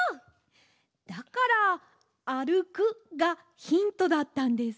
だから「あるく」がヒントだったんですね。